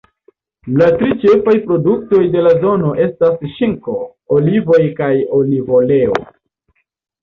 La tri ĉefaj produktoj de la zono estas ŝinko, olivoj kaj olivoleo.